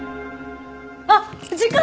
あっ時間！